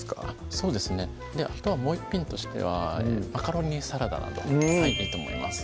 そうですねもう一品としてはマカロニサラダなどいいと思います